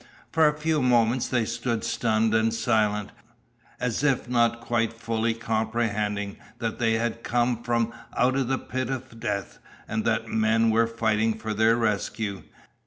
For a few moments they stood stunned and silent, as if not yet quite fully comprehending that they had come from out of the pit of death, and that men were fighting for their rescue.